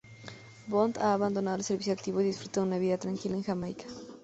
Bond ha abandonado el servicio activo y disfruta de una vida tranquila en Jamaica.